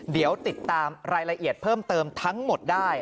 เดี๋ยวติดตามรายละเอียดเพิ่มเติมทั้งหมดได้